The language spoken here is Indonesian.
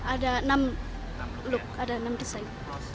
ada enam look ada enam desain